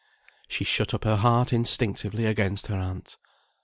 She shut up her heart instinctively against her aunt.